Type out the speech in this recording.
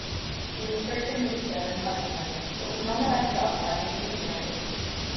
He was strict in discipline and punishment but was nonetheless loved by his legionaries.